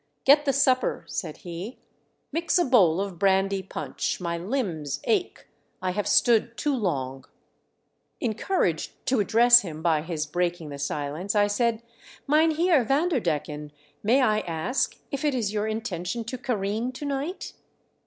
"Get the supper,' said he. " Mix a bowl of brandy punch. I\Iy limbs ache. I have stood too long." THE WEATHER HELPS MV SCHEiME. 48 1 Encouraged to address him by his break ing the silence, I said, " Mynheer Vander decken, may I ask if it is your intention to careen to night